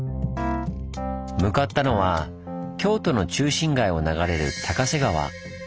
向かったのは京都の中心街を流れる高瀬川。